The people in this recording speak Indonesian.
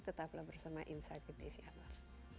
tetaplah bersama insight indonesia abar